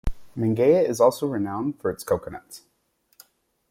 Mangaia is also renowned for its coconuts.